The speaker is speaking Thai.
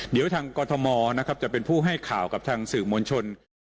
เดี๋ยวทางกรทมนะครับจะเป็นผู้ให้ข่าวกับทางสื่อมวลชน